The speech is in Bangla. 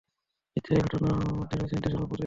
নিশ্চয় এ ঘটনার মধ্যে রয়েছে নিদর্শন—উপদেশ।